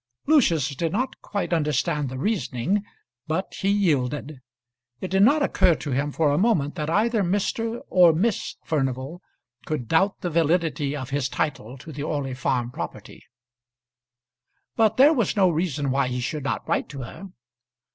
Lucius did not quite understand the reasoning, but he yielded. It did not occur to him for a moment that either Mr. or Miss Furnival could doubt the validity of his title to the Orley Farm property. But there was no reason why he should not write to her.